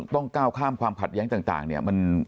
ก้าวข้ามความขัดแย้งต่างเนี่ย